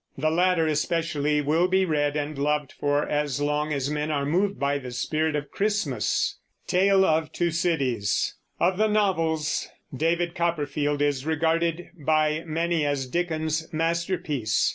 The latter especially will be read and loved as long as men are moved by the spirit of Christmas. Of the novels, David Copperfield is regarded by many as Dickens's masterpiece.